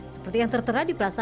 seperti yang tertera di prasara